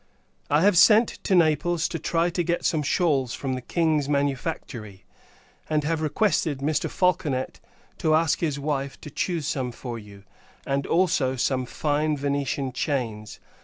I have sent to Naples, to try and get some shawls from the King's manufactory; and have requested Mr. Falconet to ask his wife to choose some for you, and also some fine Venetian chains.